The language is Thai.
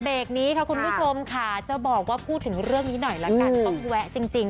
เตรกนี้ค่ะคุณผู้ชมจะบอกว่าพูดถึงเรื่องนี้หน่อยแวะจริง